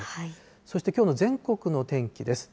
そしてきょうの全国の天気です。